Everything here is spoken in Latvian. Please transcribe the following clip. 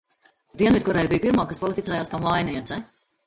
Dienvidkoreja bija pirmā, kas kvalificējās kā mājiniece.